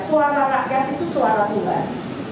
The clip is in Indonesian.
suara rakyat itu suara tuhan